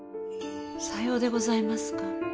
さようでございますか。